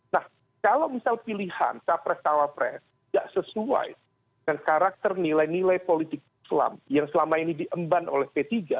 nah kalau misal pilihan capres cawapres tidak sesuai dengan karakter nilai nilai politik islam yang selama ini diemban oleh p tiga